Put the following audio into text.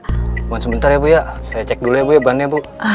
cuma sebentar ya bu ya saya cek dulu ya bu ya bu